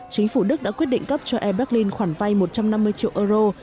chính phủ đức đã quyết định cấp cho air berlin khoản vay một trăm năm mươi triệu euro